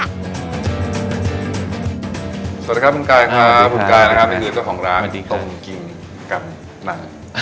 สวัสดีครับคุณกายค่ะคุณกายนะครับนี่คือเจ้าของร้านตรงกิงกำนา